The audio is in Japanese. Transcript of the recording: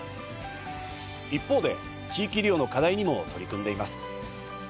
一方で地域医療の課題にも取り組んでいます。